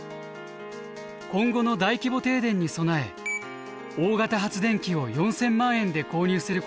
今後の大規模停電に備え大型発電機を４，０００万円で購入することにしたのです。